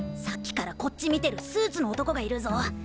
さっきからこっち見てるスーツの男がいるぞ。